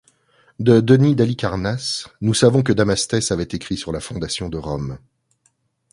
De Denys d'Halicarnasse, nous savons que Damastès avait écrit sur la fondation de Rome.